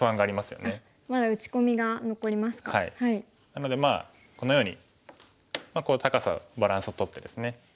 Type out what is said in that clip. なのでこのように高さバランスをとってですね